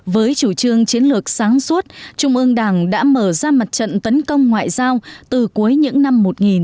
với chủ trương chiến lược sáng suốt trung ương đảng đã mở ra mặt trận tấn công ngoại giao từ cuối những năm một nghìn chín trăm bảy mươi